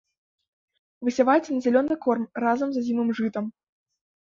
Высяваецца на зялёны корм разам з азімым жытам.